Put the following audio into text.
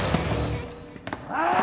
ああ！